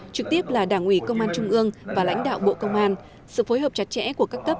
trực tiếp là đảng ủy công an trung ương và lãnh đạo bộ công an sự phối hợp chặt chẽ của các cấp